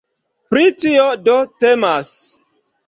Pri tio, do, temas.